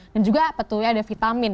dan juga betul ya ada vitamin